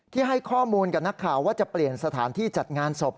ให้ข้อมูลกับนักข่าวว่าจะเปลี่ยนสถานที่จัดงานศพ